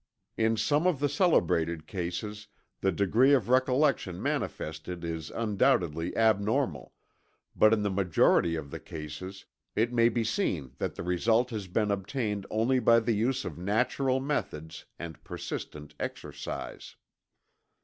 In some of the celebrated cases, the degree of recollection manifested is undoubtedly abnormal, but in the majority of the cases it may be seen that the result has been obtained only by the use of natural methods and persistent exercise.